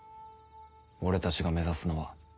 俺たちが目指すのは。